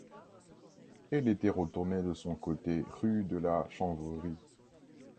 Elle était retournée de son côté rue de la Chanvrerie.